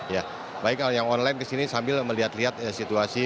ya baik yang online kesini sambil melihat lihat situasi